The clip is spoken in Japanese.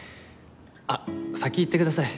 あっ先行ってください。